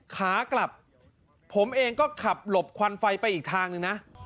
ขากลับผมเองก็ขับหลบควันไฟไปอีกทางหนึ่งนะ